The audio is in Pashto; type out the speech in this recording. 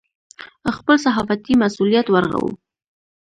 خپل صحافتي مسوولیت ورغوو.